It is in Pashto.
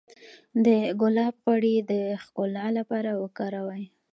د ګلاب غوړي د ښکلا لپاره وکاروئ